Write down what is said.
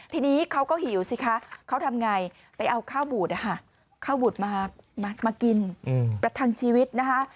ทีนี้เขาก็หิวสิคะเขาทำไงไปเอาข้าวบูดข้าวบูดมากินประทังชีวิตนะคะ